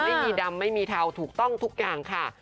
ไม่มีดำไม่มีเทาถูกต้องทุกอย่างค่ะ